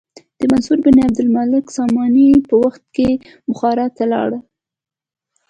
د منصور بن عبدالمالک ساماني په وخت کې بخارا ته لاړ.